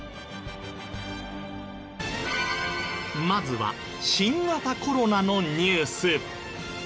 まずは新型コロナのニュース。